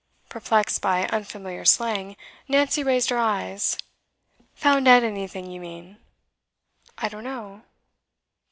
Perplexed by unfamiliar slang, Nancy raised her eyes. 'Found out anything, you mean? I don't know.